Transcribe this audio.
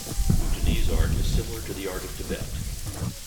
Bhutanese art is similar to the art of Tibet.